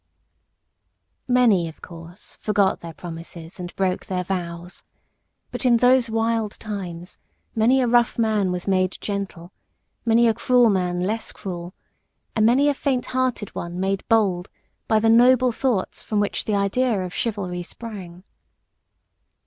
Many, of course, forgot their promises and broke their vows, but in those wild times many a rough man was made gentle, many a cruel man less cruel, and many a faint hearted one made bold by the noble thoughts from which the idea of chivalry sprang.